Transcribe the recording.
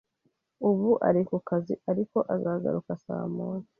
Ubu ari kukazi, ariko azagaruka saa moya